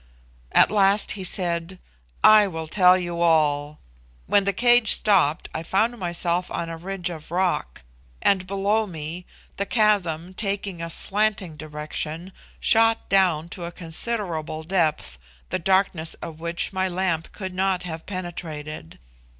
At last he said, "I will tell you all. When the cage stopped, I found myself on a ridge of rock; and below me, the chasm, taking a slanting direction, shot down to a considerable depth, the darkness of which my lamp could not have penetrated.